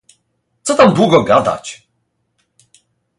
"Co tam długo gadać!"